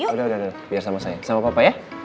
udah udah biar sama saya sama papa ya